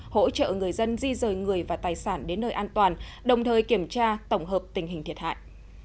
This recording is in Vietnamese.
hỗ trợ người dân di rời người và tài sản đến nơi an toàn đồng thời kiểm tra tổng hợp tình hình thiệt hại